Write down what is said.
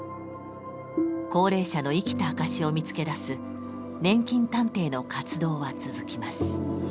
高齢者の生きた証しを見つけ出す年金探偵の活動は続きます。